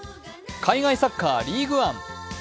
海外サッカー、リーグ・アン。